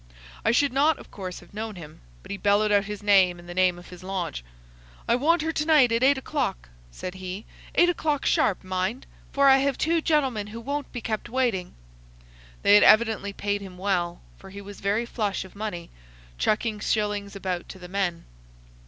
I should not, of course, have known him, but he bellowed out his name and the name of his launch. 'I want her to night at eight o'clock,' said he,—'eight o'clock sharp, mind, for I have two gentlemen who won't be kept waiting.' They had evidently paid him well, for he was very flush of money, chucking shillings about to the men.